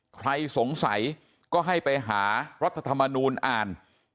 ใครสงสัยก็ให้ไปหารัฐธรรมนูญอ่าน